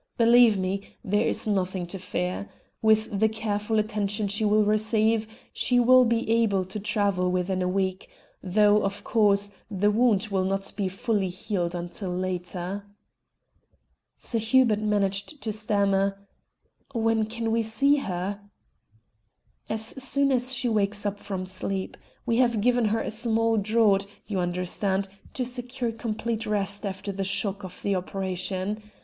Believe me, there is nothing to fear. With the careful attention she will receive, she will be well able to travel within a week, though, of course, the wound will not be fully healed until later." Sir Hubert managed to stammer "When can we see her?" "As soon as she wakes from sleep. We have given her a small draught, you understand, to secure complete rest after the shock of the operation.